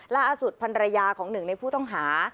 ล่าอสุดพันธุ์ระยะของ๑ในผู้ต้องหา